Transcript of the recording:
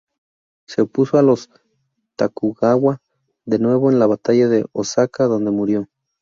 Se opuso a los "Tokugawa" de nuevo en la batalla de Osaka, donde murió.